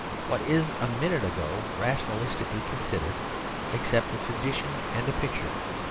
What is a minute ago, rationalistically considered, except a tradition and a picture?